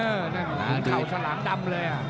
เห็นข่าวสลังดำเลยอะ